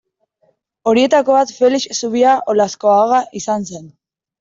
Horietako bat Felix Zubia Olaskoaga izan zen.